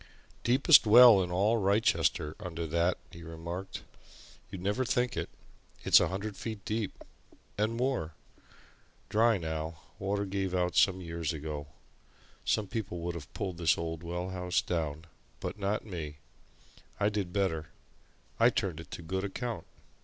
"Deepest well in all Wrychester under that," he remarked. "You'd never think it it's a hundred feet deep and more! Dry now water gave out some years ago. Some people would have pulled this old well house down but not me! I did better I turned it to good account."